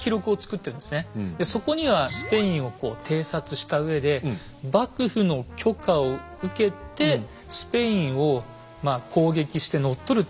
でそこにはスペインをこう偵察したうえで幕府の許可を受けてスペインをまあ攻撃して乗っ取るって書かれてるんです。